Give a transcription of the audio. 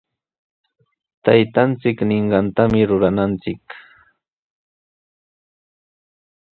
Taytanchik ninqantami rurananchik.